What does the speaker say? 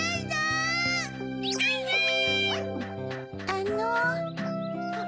あの。